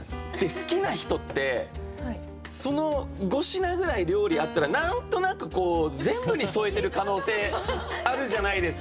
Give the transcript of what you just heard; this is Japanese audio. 好きな人って５品ぐらい料理あったら何となく全部に添えてる可能性あるじゃないですか。